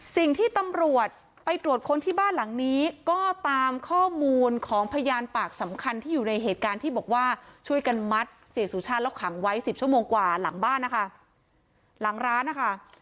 สิ่งที่ตำรวจไปตรวจค้นที่บ้านหลังนี้ก็ตามข้อมูลของพยานปากสำคัญที่อยู่ในเหตุการณ์ที่บอกว่าช่วยกันมัดเสียสุชาติแล้วขังไว้สิบชั่วโมงกว่าหลังบ้านนะคะหลังร้านนะคะ